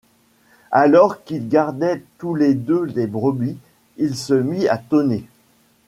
Alors qu'ils gardaient tous les deux les brebis, il se mit à tonner.